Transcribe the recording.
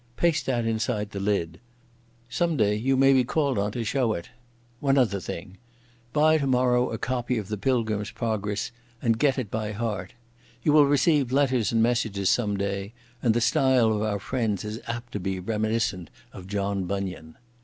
Paste that inside the lid. Some day you may be called on to show it.... One other thing. Buy tomorrow a copy of the Pilgrim's Progress and get it by heart. You will receive letters and messages some day and the style of our friends is apt to be reminiscent of John Bunyan....